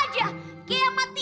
kayak matiin tv dengan klik